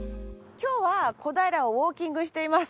今日は小平をウォーキングしています。